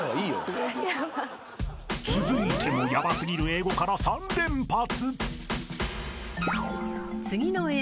［続いてもヤバ過ぎる英語から３連発］